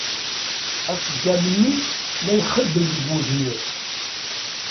Aṣeggam-nni la ixeddem deg wegnir.